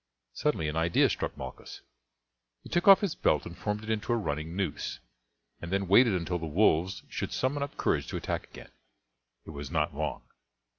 Suddenly an idea struck Malchus. He took off his belt and formed it into a running noose, and then waited until the wolves should summon up courage to attack again. It was not long.